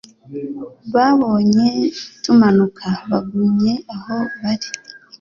Babonye tumanuka bagumye aho bari